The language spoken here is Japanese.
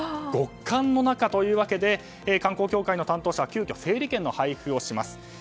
極寒の中というわけで観光協会の担当者は急きょ、整理券の配布をします。